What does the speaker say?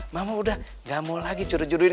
mama udah gak mau lagi curuh curuhin